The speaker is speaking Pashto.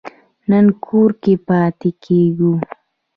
نن کور کې پاتې کیږو